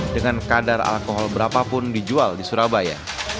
dengan kadar alkohol berapapun dijual di surabaya